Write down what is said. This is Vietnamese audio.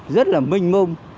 rất là minh mông